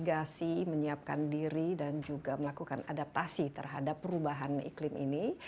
jadi kita harus berhati hati menyiapkan diri dan juga melakukan adaptasi terhadap perubahan iklim ini